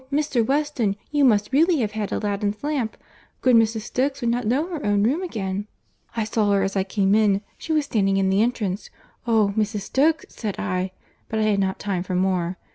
Mr. Weston, you must really have had Aladdin's lamp. Good Mrs. Stokes would not know her own room again. I saw her as I came in; she was standing in the entrance. 'Oh! Mrs. Stokes,' said I—but I had not time for more."